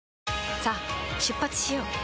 さあ出発しよう。